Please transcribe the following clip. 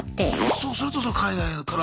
そうするとその海外から。